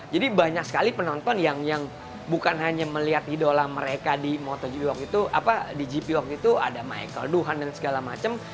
jadi banyak sekali penonton yang bukan hanya melihat idola mereka di motogp waktu itu di gp waktu itu ada michael doohan dan segala macem